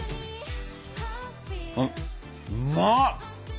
うまっ！